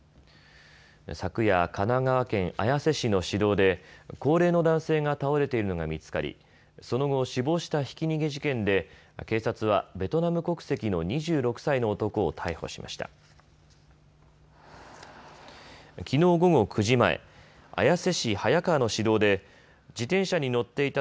昨夜、神奈川県綾瀬市の市道で高齢の男性が倒れているのが見つかり、その後、死亡したひき逃げ事件で警察はベトナム国籍の２６歳の男を逮捕しました。